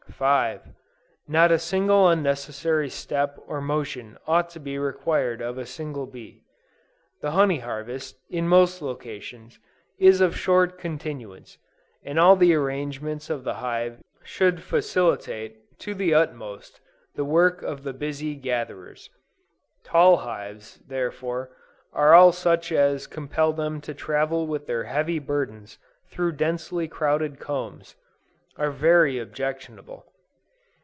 5. Not a single unnecessary step or motion ought to be required of a single bee. The honey harvest, in most locations, is of short continuance; and all the arrangements of the hive should facilitate, to the utmost, the work of the busy gatherers. Tall hives, therefore, and all such as compel them to travel with their heavy burdens through densely crowded combs, are very objectionable.